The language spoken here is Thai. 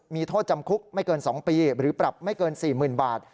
มีโทษจำคุกไม่เกิน๒ปีหรือปรับไม่เกิน๔๐๐๐บาท